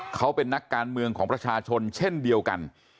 เขาเป็นนักการเมืองของประชาชนเช่นเดียวกัน